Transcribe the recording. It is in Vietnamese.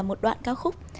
một đoạn cao khúc